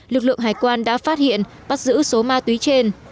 lực lượng hải quan đã phát hiện bắt giữ số ma túy trên